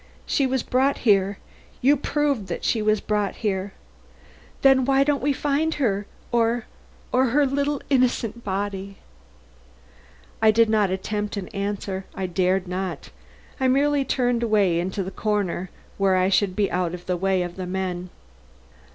She was brought here. You proved that she was brought here. Then why don't we find her, or or her little innocent body?" I did not attempt an answer; I dared not I merely turned away into a corner, where I should be out of the way of the men.